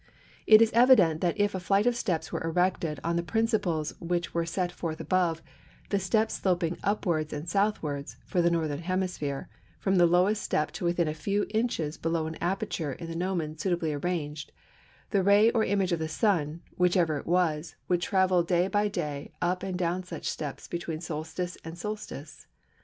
It is evident that if a flight of steps were erected on the principles which were set forth above, the steps sloping upwards and southwards (for the Northern Hemisphere) from the lowest step to within a few inches below an aperture in the gnomon suitably arranged, the ray or image of the Sun, whichever it was, would travel day by day up and down such steps between solstice and solstice.